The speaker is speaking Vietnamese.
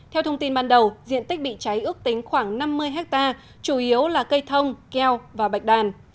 theo thông tin ban đầu diện tích bị cháy ước tính khoảng năm mươi hectare chủ yếu là cây thông keo và bạch đàn